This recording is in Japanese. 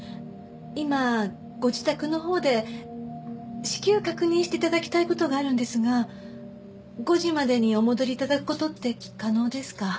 今ご自宅のほうで至急確認して頂きたい事があるんですが５時までにお戻り頂く事って可能ですか？